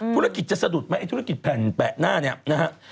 ธุรกิจจะสะดุดไหมไอธุรกิจแผ่นแปะหน้าเนี่ยนะฮะ